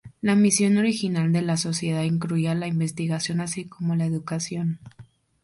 La misión original de la sociedad incluía la investigación así como la educación.